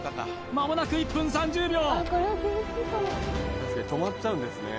まもなく１分３０秒